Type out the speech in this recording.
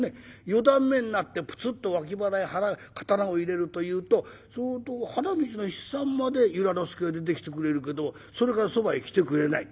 四段目になってプツッと脇腹へ刀を入れるというとそうすると花道の七三まで由良之助が出てきてくれるけどそれからそばへ来てくれない。